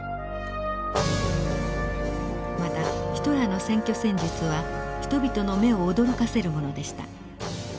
またヒトラーの選挙戦術は人々の目を驚かせるものでした。